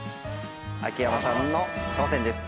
秋山さんの挑戦です。